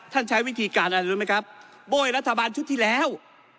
ใช้วิธีการอะไรรู้ไหมครับโบ้ยรัฐบาลชุดที่แล้ว